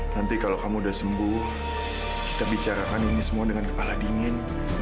nanti kalau kamu sudah sembuh kita bicarakan ini semua dengan kepala dingin